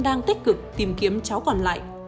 đang tích cực tìm kiếm cháu còn lại